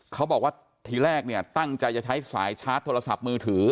เขาบอกว่าทีแรกเนี่ยตั้งใจจะใช้สายชาร์จโทรศัพท์มือถือ